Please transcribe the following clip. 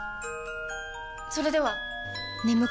それでは！